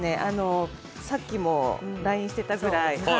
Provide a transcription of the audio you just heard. さっきもＬＩＮＥしてたくらい。